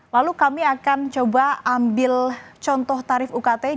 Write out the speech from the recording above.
lalu kami akan coba ambil contoh tarif ukt